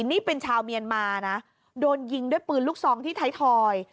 นี่เป็นชาวเมียนมานะโดนยิงด้วยปืนลูกซองที่ไทยทอย